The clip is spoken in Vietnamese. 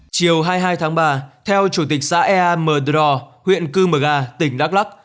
chiều hai mươi hai tháng ba theo chủ tịch xã ea mờ đò huyện cư mờ ga tỉnh đắk lắc